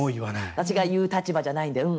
私が言う立場じゃないので。